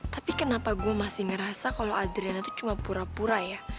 tapi kenapa gue masih ngerasa kalau adriana itu cuma pura pura ya